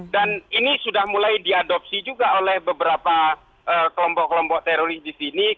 dan ini sudah mulai diadopsi juga oleh beberapa kelompok kelompok teroris di sini